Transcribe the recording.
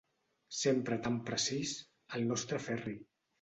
Sempre tan precís, el nostre Ferri.